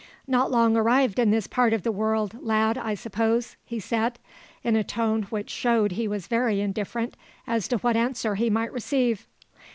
"Not long arrived in this part of the world, lad, I suppose?" he said, in a tone which showed he was very indifferent as to what answer he might receive.